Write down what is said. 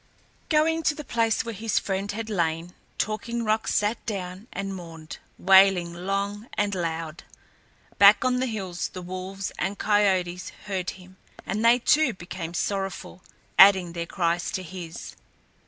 Going to the place where his friend had lain, Talking Rock sat down and mourned, wailing long and loud. Back on the hills the wolves and coyotes heard him and they too became sorrowful, adding their cries to his.